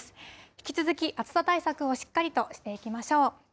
引き続き暑さ対策をしっかりとしていきましょう。